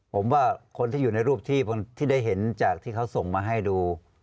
ผมว่าคนที่อยู่ในรูปที่ได้เห็นจากที่เขาส่งมาให้ดู